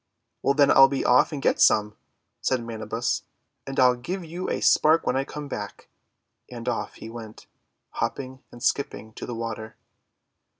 "Then I'll be off and get some," said Mana bus, :'and I'll give you a spark when I come back." And off he went, hopping and skipping to the water.